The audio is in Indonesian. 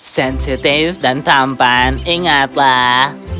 sensitif dan tampan ingatlah